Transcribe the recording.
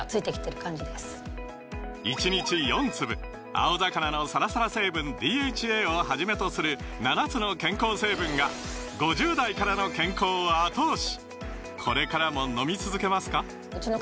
青魚のサラサラ成分ＤＨＡをはじめとする７つの健康成分が５０代からの健康を後押し！